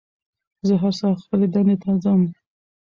زه هر سهار خپلې دندې ته ځم